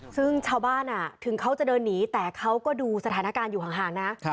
ซึ่งชาวบ้านถึงเขาจะเดินหนีแต่เขาก็ดูสถานการณ์อยู่ห่างนะ